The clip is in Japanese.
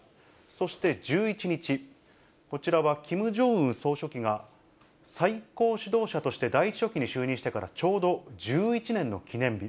そして１１日、こちらはキム・ジョンウン総書記が、最高指導者として第１書記に就任してからちょうど１１年の記念日。